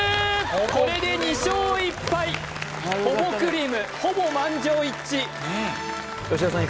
これで２勝１敗ホボクリムほぼ満場一致吉田さん